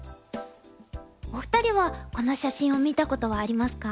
お二人はこの写真を見たことはありますか？